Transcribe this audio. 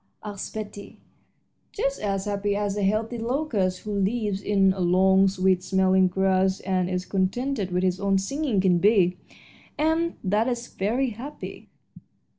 asked Betty. "Just as happy as a healthy locust, who lives in long, sweet smelling grass and is contented with his own singing, can be, and that is very happy."